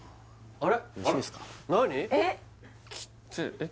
あれ？